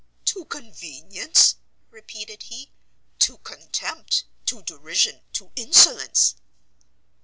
"To convenience?" repeated he, "to contempt, to derision, to insolence!"